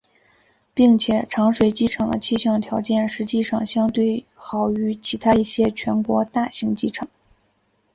并且长水机场的气象条件实际上相对好于其他一些全国大型机场。